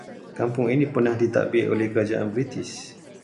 Kampung ini pernah ditadbir oleh kerajaan british